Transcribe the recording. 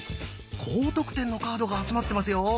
高得点のカードが集まってますよ！